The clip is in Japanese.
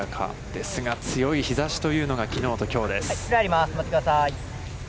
ですが、強い日差しというのが、きのうときょうです。